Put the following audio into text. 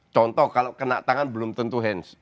contoh kalau kena tangan belum tentu hands